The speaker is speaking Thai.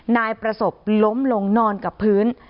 นายประสบล้มลงนอนกับพื้น